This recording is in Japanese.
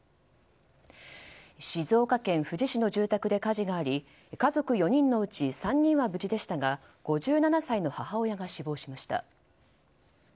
静岡県富士市の住宅で火事があり家族４人のうち３人は無事でしたが５７歳の母親が死亡しました。